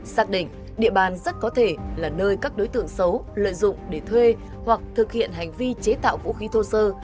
xác định địa bàn rất có thể là nơi các đối tượng xấu lợi dụng để thuê hoặc thực hiện hành vi chế tạo vũ khí thô sơ